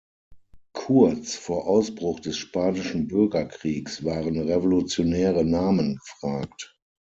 Kurz vor Ausbruch des Spanischen Bürgerkriegs waren „revolutionäre“ Namen gefragt.